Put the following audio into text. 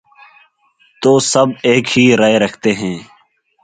تو سب ایک ہی رائے رکھتے ہیں۔